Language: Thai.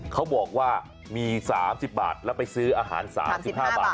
เขาบอกว่ามี๓๐บาทแล้วไปซื้ออาหาร๓๕บาท